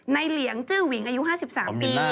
เหลียงจื้อหวิงอายุ๕๓ปี